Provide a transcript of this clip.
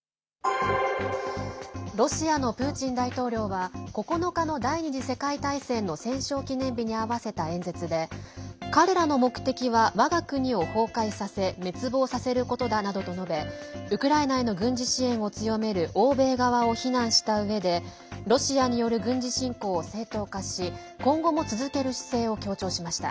ロシアのプーチン大統領は９日の第２次世界大戦の戦勝記念日にあわせた演説で彼らの目的は我が国を崩壊させ滅亡させることだなどと述べウクライナへの軍事支援を強める欧米側を非難したうえでロシアによる軍事侵攻を正当化し今後も続ける姿勢を強調しました。